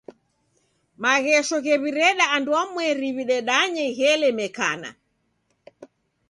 Maghesho ghew'ireda andwamweri w'idedanye ghelemekana.